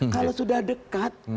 kalau sudah dekat